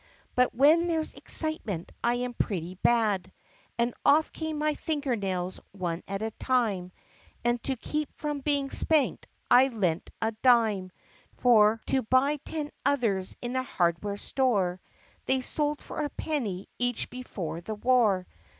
But when there 's excitement I am pretty bad And off came my finger nails one at a time , And to keep from being spanked I lent a dime For to buy ten others in a hardware store (They sold for a penny each before the war).